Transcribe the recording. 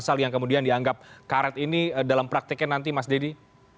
pasal yang kemudian dianggap karet ini dalam prakteknya nanti mas dedy